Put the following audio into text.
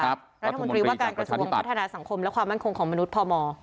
รัฐมนตรีว่าการกระทรวงพัฒนาสังคมและความมั่นคงของมนุษย์พม